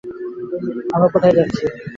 আমরা কোথায় আছি?